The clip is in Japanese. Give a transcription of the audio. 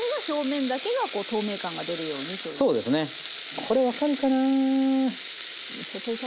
これ分かるかな。